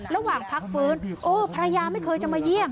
ระหว่างพักฟื้นภรรยาไม่เคยจะมาเยี่ยม